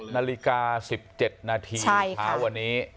๗นาฬิกา๑๗นาทีขาวอันนี้